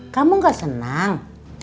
kamu gak senang